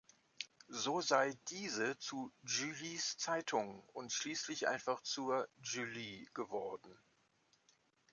So sei diese zu «Julies Zeitung» und schliesslich einfach zur «Julie» geworden.